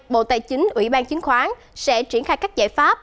bộ tài chính ủy ban chứng khoán sẽ triển khai các giải pháp